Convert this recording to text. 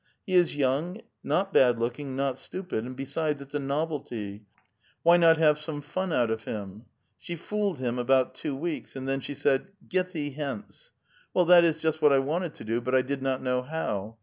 " He is young, not bad looking, not stupid, and besides it's a novelty. Why not have some fun out of him? " She fooled him about two weeks, and then she said, " Get thee hence." " Well, that is just what I wanted to do, but I did not know how."